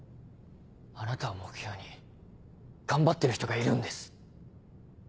あなたを目標に頑張ってる人がいるんです。